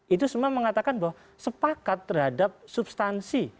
itu semua mengatakan bahwa sepakat terhadap substansi